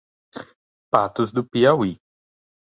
Patos do Piauí